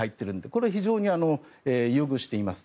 これは非常に優遇しています。